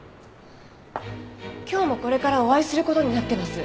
今日もこれからお会いする事になってます。